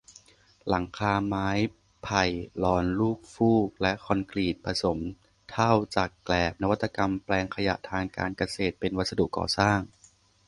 หลังคาไม้ไผ่ลอนลูกฟูก และ คอนกรีตผสมเถ้าจากแกลบ นวัตกรรมแปลงขยะทางการเกษตรเป็นวัสดุก่อสร้าง